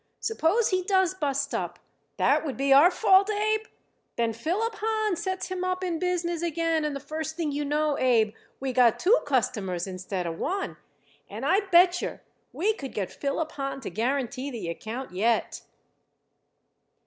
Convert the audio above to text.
Suppose he does bust up; would that be our fault, Abe? Then Philip Hahn sets him up in business again, and the first thing you know, Abe, we got two customers instead of one. And I bet yer we could get Philip Hahn to guarantee the account yet."